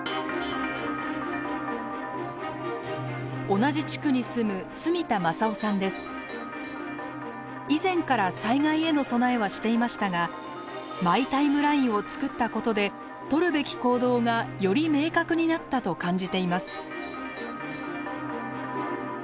同じ地区に住む以前から災害への備えはしていましたがマイ・タイムラインを作ったことでとるべき行動がより明確になったと感じています。